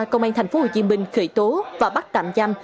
công an tp hcm khởi tố và bắt tạm giam